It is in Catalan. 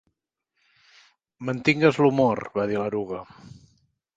"Mantingues l'humor", va dir l'eruga.